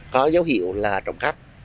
có dấu hiệu là trộm cấp